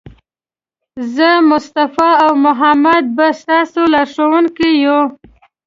زه، مصطفی او محمد به ستاسې لارښوونکي یو.